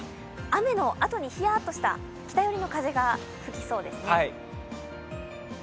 雨のあとにひやっとした北寄りの風が吹きそうですね。